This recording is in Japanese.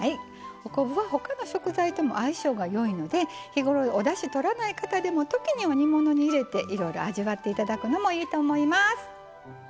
お昆布はほかの食材とも相性がよいので日頃おだしとらない方でも時には煮物に入れていろいろ味わっていただくのもいいと思います。